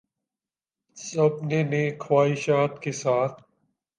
سب نے نیک خواہشات کے ساتھ